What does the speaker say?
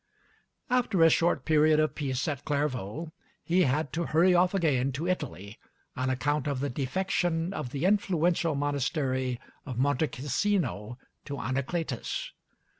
After a short period of peace at Clairvaux, he had to hurry off again to Italy on account of the defection of the influential monastery of Monte Casino to Anacletus.